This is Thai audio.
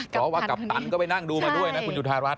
เพราะว่ากัปตันก็ไปนั่งดูมาด้วยนะคุณจุธารัฐ